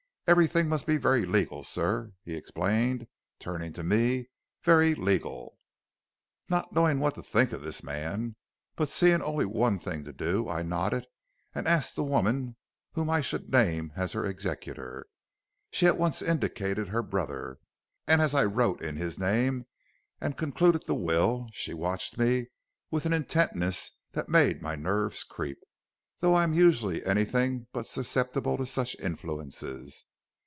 Everything must be very legal, sir,' he explained, turning to me, 'very legal.' "Not knowing what to think of this man, but seeing only one thing to do, I nodded, and asked the woman whom I should name as executor. She at once indicated her brother, and as I wrote in his name and concluded the will, she watched me with an intentness that made my nerves creep, though I am usually anything but susceptible to such influences.